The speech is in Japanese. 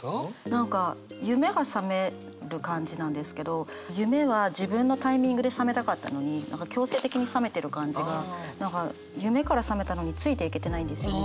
何か夢が覚める感じなんですけど夢は自分のタイミングで覚めたかったのに何か強制的に覚めてる感じが何か夢から覚めたのについていけてないんですよね